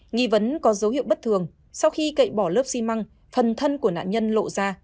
nghi vấn có dấu hiệu bất thường sau khi cậy bỏ lớp xi măng phần thân của nạn nhân lộ ra